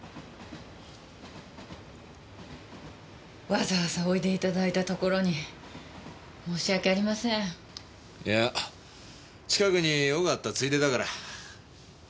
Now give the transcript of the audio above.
わざわざおいで頂いたところに申し訳ありません。いや近くに用があったついでだから。